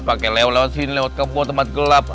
pakai lewat sini lewat kebun tempat gelap